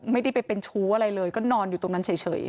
ไม่ได้ไปเป็นชู้อะไรเลยก็นอนอยู่ตรงนั้นเฉย